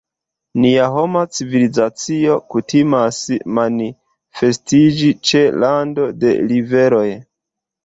Nia homa civilizacio kutimas manifestiĝi ĉe rando de riveroj.